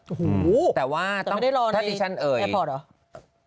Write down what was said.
โอ้โฮแต่ไม่ได้รอในแอร์พอร์ตเหรอแต่ไม่ได้รอในแอร์พอร์ตเหรอ